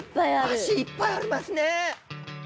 脚いっぱいありますね。